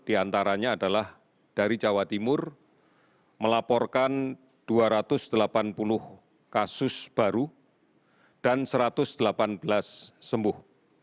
di antaranya adalah dari jawa timur melaporkan dua ratus delapan puluh kasus baru dan satu ratus delapan belas sembuh